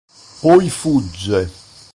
Poi fugge.